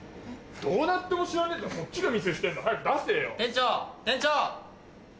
「どうなっても知らねえ」ってそっちがミスしてんだ早く出せよ。